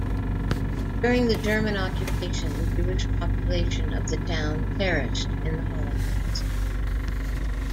During the German occupation the Jewish population of the town perished in the Holocaust.